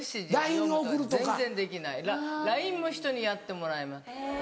全然できないＬＩＮＥも人にやってもらいます。